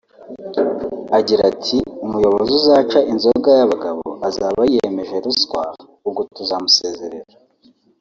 Agira ati “Umuyobozi uzaca inzoga y’abagabo azaba yiyemeje ruswa ubwo tuzamusezerera